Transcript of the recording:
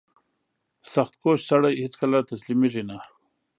• سختکوش سړی هیڅکله تسلیمېږي نه.